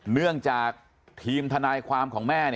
เนื่องจากทีมทนายความของแม่